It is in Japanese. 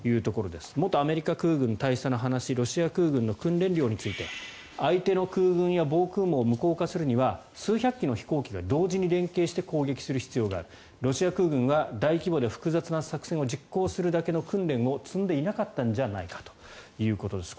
元アメリカ空軍大佐の話でロシア空軍の訓練量について相手の空軍や防空網を無効化するには数百機の飛行機が同時に連携して攻撃する必要があるロシア空軍は大規模で複雑な作戦を実行するだけの訓練を積んでいなかったんじゃないかということです。